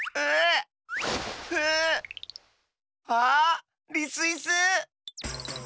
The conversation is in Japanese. あリスイス！